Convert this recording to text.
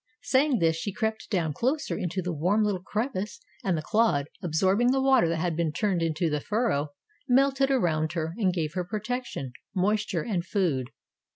Saying this she crept down closer into the warm little crevice and the clod, absorbing the water that had been turned into the furrow, melted around her and gave her protection, moisture and food.